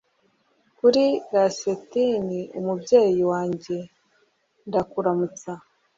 kuri lasiteni, umubyeyi wanjye. ndakuramutsa